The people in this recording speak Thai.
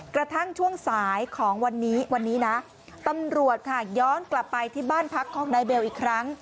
กระทั่งช่วงสายของวันนี้วันนี้นะตำรวจค่ะย้อนกลับไปที่บ้านพักของนายเบลอีกครั้ง